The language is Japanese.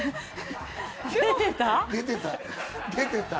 出てた？